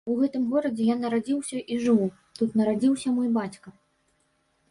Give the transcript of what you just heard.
У гэтым горадзе я нарадзіўся і жыву, тут нарадзіўся мой бацька.